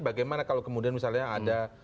bagaimana kalau kemudian misalnya ada